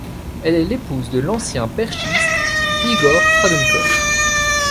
Elle est l'épouse de l'ancien perchiste Igor Trandenkov.